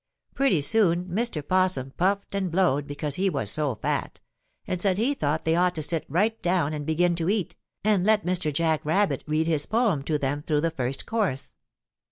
Pretty soon Mr. 'Possum puffed and blowed because he was so fat, and said he thought they ought to sit right down and begin to eat, and let Mr. Jack Rabbit read his poem to them through the first course.